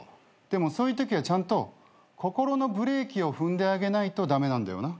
でもそういうときはちゃんと心のブレーキを踏んであげないと駄目なんだよな。